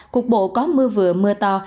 cục bộ có mưa vừa mưa to